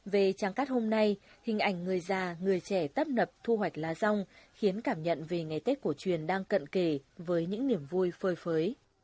về tràng cát hôm nay hình ảnh người già người trẻ tấp nập thu hoạch lá rong khiến cảm nhận về ngày tết của truyền đang cận kể với những niềm vui phơi phới